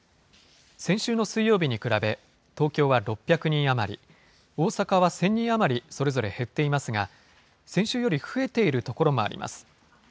先週の水曜日に比べ、東京は６００人余り、大阪は１０００人余り、それぞれ減っていますが、先週より増えている所もあります。